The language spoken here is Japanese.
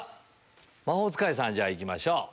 魔法使いさん行きましょう。